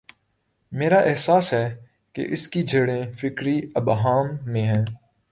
میرا احساس ہے کہ اس کی جڑیں فکری ابہام میں ہیں۔